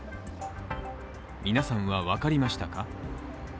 皆さんはわかりましたか。